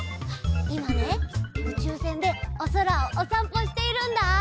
いまねうちゅうせんでおそらをおさんぽしているんだ。